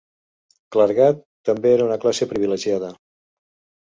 Clergat: també era una classe privilegiada.